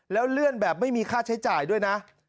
แล้วเลื่อนแบบไม่มีค่าใช้จ่ายด้วยนะ